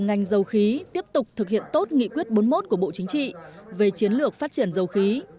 ngành dầu khí tiếp tục thực hiện tốt nghị quyết bốn mươi một của bộ chính trị về chiến lược phát triển dầu khí